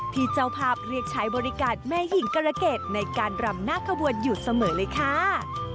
เจ้าภาพเรียกใช้บริการแม่หญิงกรเกตในการรำหน้าขบวนอยู่เสมอเลยค่ะ